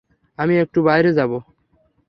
আমি একটু বাইরে যাব।